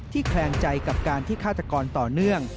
แคลงใจกับการที่ฆาตกรต่อเนื่อง